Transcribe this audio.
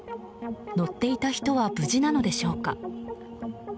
乗っていた人は無事なのでしょうか。